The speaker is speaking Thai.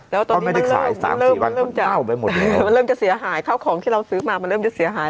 แล้วตอนนี้มันเริ่มจะเข้าของที่เราซื้อมามันเริ่มจะเสียหาย